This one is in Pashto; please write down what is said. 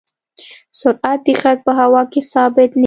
سرعت د غږ په هوا کې ثابت نه وي.